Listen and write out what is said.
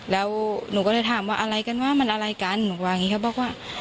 แล้วหนูก็เลยถามว่าอะไรกันว่ามันอะไรกันหนูว่าอย่างนี้เขาบอกว่า